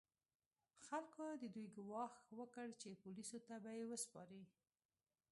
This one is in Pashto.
خلکو د دوی ګواښ وکړ چې پولیسو ته به یې وسپاري.